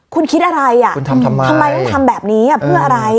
คุณคิดอะไรอ่ะคุณทำทำไมทำไมต้องทำแบบนี้เพื่ออะไร